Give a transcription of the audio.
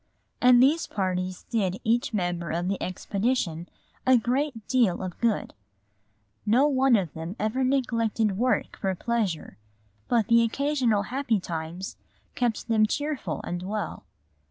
And these parties did each member of the expedition a great deal of good. No one of them ever neglected work for pleasure, but the occasional happy times kept them cheerful and well.